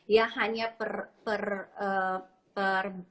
ya hanya per